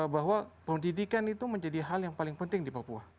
bahwa pendidikan itu menjadi hal yang paling penting di papua